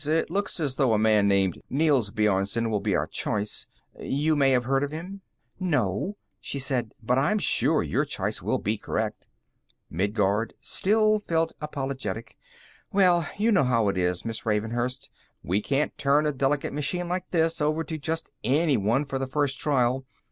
It looks as though a man named Nels Bjornsen will be our choice. You may have heard of him." "No," she said, "but I'm sure your choice will be correct." Midguard still felt apologetic. "Well, you know how it is, Miss Ravenhurst; we can't turn a delicate machine like this over to just anyone for the first trial.